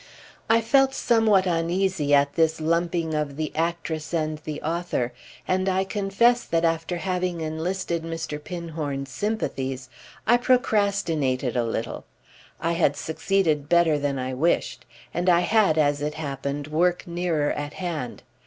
I felt somewhat uneasy at this lumping of the actress and the author, and I confess that after having enlisted Mr. Pinhorn's sympathies I procrastinated a little. I had succeeded better than I wished, and I had, as it happened, work nearer at hand.